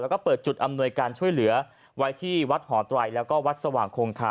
แล้วก็เปิดจุดอำนวยการช่วยเหลือไว้ที่วัดหอไตรแล้วก็วัดสว่างคงคา